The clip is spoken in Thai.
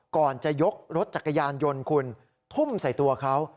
ก่อนจะยกรถจักรยานยนต์คุณทุ่มใส่ตัวเขา